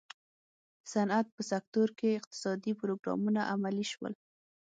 د صنعت په سکتور کې اقتصادي پروګرامونه عملي شول.